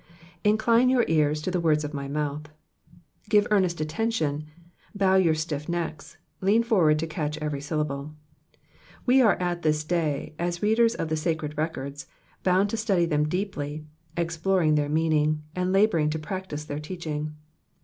" Indine your ear» to the words of my mouth,^^ Give earnest attention, bow your stiff Digitized by Google PSALM THE SEVENTY EIGHTH. 433 necks, lean forward to catch every syllable. We are at this day, as readers of the sacred records, bound to study them deeply, exploring their meaniug, and labouring to practise their teacliing.